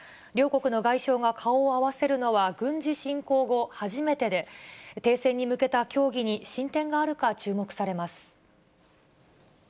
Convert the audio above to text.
両国の外相が顔を合わせるのは軍事侵攻後、初めてで、停戦に向けた協議に進展があるか、注目されます。